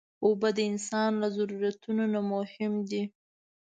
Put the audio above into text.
اوبه د انسان له ضرورتونو نه مهم دي.